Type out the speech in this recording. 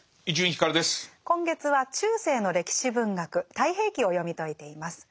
今月は中世の歴史文学「太平記」を読み解いています。